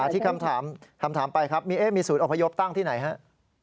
ที่คำถามไปครับมีสูตรอพยพตั้งที่ไหนครับ